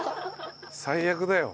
最悪だよ。